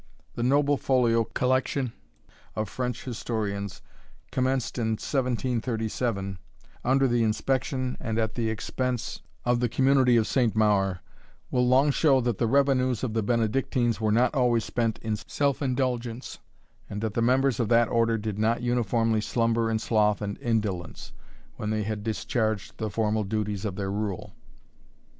The noble folio collection of French historians, commenced in 1737, under the inspection and at the expense of the community of Saint Maur, will long show that the revenues of the Benedictines were not always spent in self indulgence, and that the members of that order did not uniformly slumber in sloth and indolence, when they had discharged the formal duties of their rule."